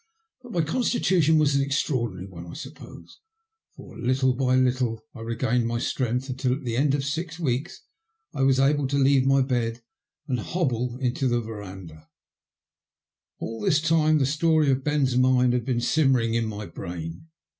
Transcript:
But my constitution was an extraordinary one, I suppose, for little by little I regained my strength, until, at the end of six weeks, I was able to leave my bed and hobble into the verandah. All this time the story of Ben*s mine had been simmering in my brain.